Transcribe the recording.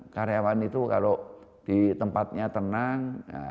karyawan itu kalau di tempatnya tenang